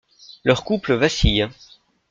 Leur couple vacille.